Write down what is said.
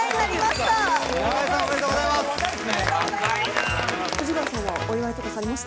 おめでとうございます！